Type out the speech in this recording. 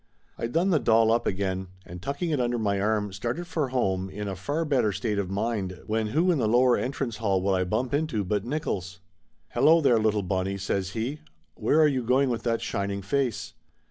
I done the doll up again and tucking it under my arm started for home in a far better state of mind when who in the lower entrance hall would I bump into but Nickolls. "Hello there, little Bonnie," says he. "Where are you going with that shining face